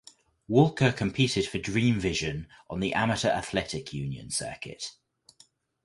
Walker competed for Dream Vision on the Amateur Athletic Union circuit.